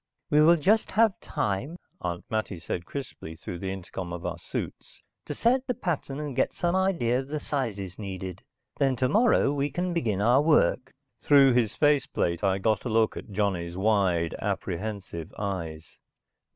"We will just have time," Aunt Mattie said crisply, through the intercom of our suits, "To set the pattern and get some idea of the sizes needed. Then tomorrow we can begin our work." Through his face plate I got a look at Johnny's wide, apprehensive eyes.